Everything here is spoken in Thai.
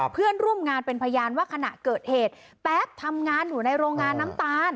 เพื่อนร่วมงานเป็นพยานว่าขณะเกิดเหตุแป๊บทำงานอยู่ในโรงงานน้ำตาล